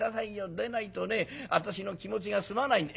でないと私の気持ちが済まないんで。